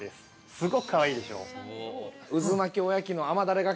すごくかわいいでしょう。